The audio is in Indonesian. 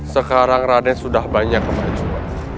sekarang raden sudah banyak kemajuan